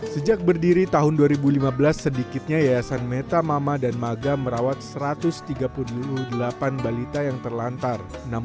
sejak berdiri tahun dua ribu lima belas sedikitnya yayasan meta mama dan maga merawat satu ratus tiga puluh delapan balita yang terlantar